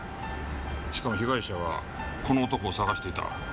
しかも被害者はこの男を捜していた。